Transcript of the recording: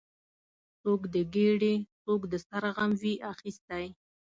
څوک د ګیډې، څوک د سر غم وي اخیستی